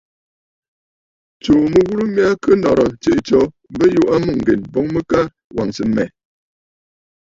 Tsuu mɨghurə mya kɨ nɔ̀rə̀, tsiʼì tsǒ bɨ yɔʼɔ mûŋgen, boŋ mɨ ka wàŋsə mmɛ̀.